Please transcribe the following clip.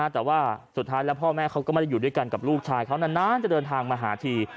แต่ว่าสุดท้ายแล้วพ่อแม่เขาก็ไม่ได้อยู่ด้วยกันกับลูกชายเขานานจะเดินทางมาหาที